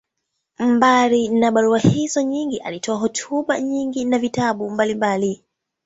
Mbali ya barua hizo nyingi, alitoa hotuba nyingi na vitabu mbalimbali.